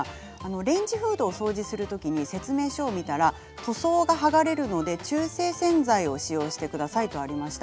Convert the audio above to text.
レンジフードを掃除するときに説明書を見たら塗装が剥がれるので中性洗剤を使用してくださいとありました。